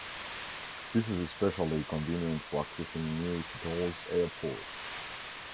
This is especially convenient for accessing New Chitose Airport.